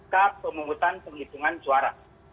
ke pemungutan penghitungan suara